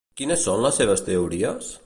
Quines són les seves teories?